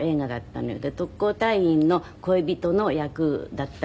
特攻隊員の恋人の役だったのよ。